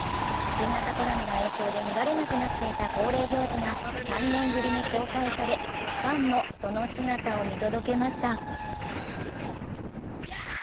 新型コロナの影響で見られなくなっていた恒例行事が３年ぶりに公開され、ファンもその姿を見届けました。